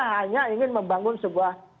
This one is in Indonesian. hanya ingin membangun sebuah